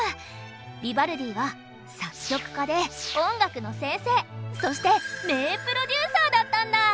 ヴィヴァルディは作曲家で音楽の先生そして名プロデューサーだったんだ！